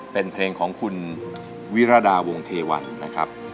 เป็นเพลงของคุณวิรดาวงเทวันนะครับ